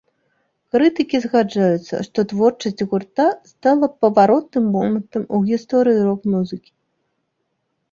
Крытыкі згаджаюцца, што творчасць гурта стала паваротным момантам у гісторыі рок-музыкі.